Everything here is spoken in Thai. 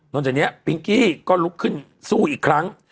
หลังจากนี้ปิงกี้ก็ลุกขึ้นสู้อีกครั้ง